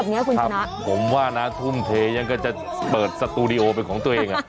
ผมว่านะทุ่มเทยังก็จะเปิดสตูดิโอเป็นของตัวเอง